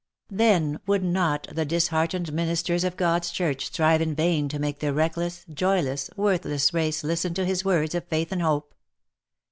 Then would not the disheartened ministers of God's church strive in vain to make the reckless, joyless, worthless race listen to his words of faith and hope.